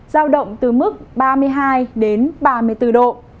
giao động từ mức ba mươi hai đến ba mươi bốn độ